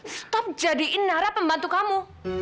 stop jadiin nara pembantu kamu